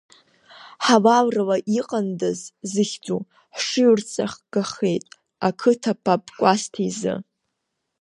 Ҳалалрала иҟандаз зыхьӡу хшыҩрҵагахеит ақыҭа пап Кәасҭа изы.